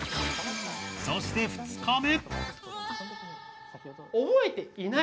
そして２日目。